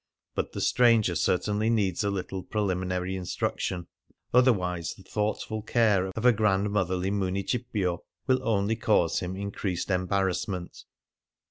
But the stranger certainly needs a little preliminary instruction, otherwise the thoughtful care of a grandmotherly Municipio will only cause him increased embarrassment.